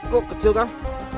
kok kecil kang